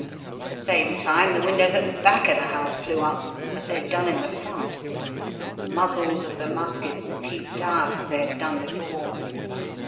At the same time the windows at the back of the house flew up as they had done in the front, and the muzzles of the muskets peeped out as they had done before.